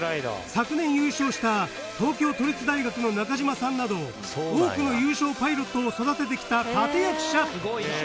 昨年優勝した東京都立大学の中島さんなど多くの優勝パイロットを育ててきた立て役者